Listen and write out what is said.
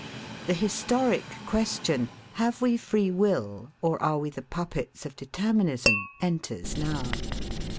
The historic question: 'Have we free will, or are we the puppets of determinism?' enters now.